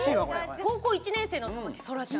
高校１年生の田牧そらちゃん。